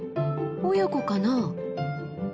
親子かな？